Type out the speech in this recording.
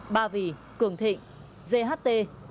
ba vì cường thịnh ght